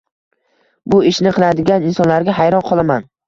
Bu ishni qiladigan insonlarga hayron qolaman.